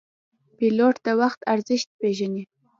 پیلوټ د وخت ارزښت پېژني.